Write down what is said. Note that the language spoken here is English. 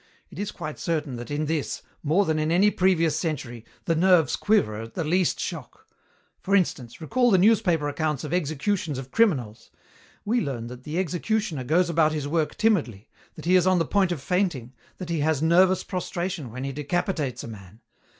It is quite certain that in this, more than in any previous century, the nerves quiver at the least shock. For instance, recall the newspaper accounts of executions of criminals. We learn that the executioner goes about his work timidly, that he is on the point of fainting, that he has nervous prostration when he decapitates a man.